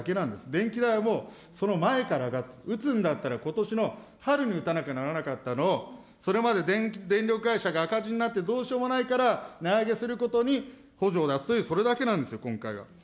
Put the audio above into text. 電気代はもう、その前から上がって、打つんだったら、ことしの春に打たなきゃならなかったのを、それまで電力会社が赤字になってどうしようもないから、値上げすることに補助を出すという、それだけなんですよ、今回は。